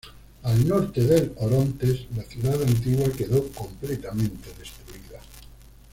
Al norte del Orontes, la ciudad antigua, quedó completamente destruida.